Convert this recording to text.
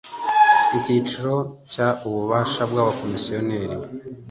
Icyiciro cya ububasha bw abakomiseri